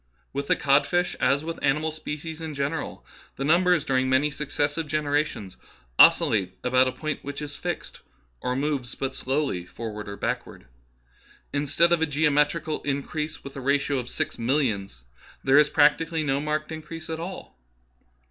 With the codfish, as with animal species in general, the numbers during many successive gen erations oscillate about a point which is fixed, or moves but slowly forward or backward. Instead of a geometrical increase with a ratio of six mill ions, there is practically no marked increase at all.